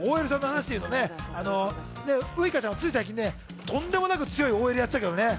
ウイカちゃんは最近とんでもなく強いＯＬやってたけどね。